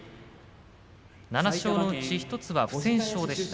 ７勝のうち１つは不戦勝でした。